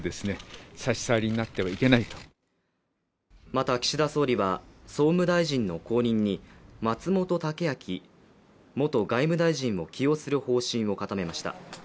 また岸田総理は総務大臣の後任に松本剛明元外務大臣を起用する方針を固めました。